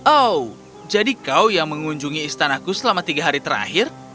oh jadi kau yang mengunjungi istanaku selama tiga hari terakhir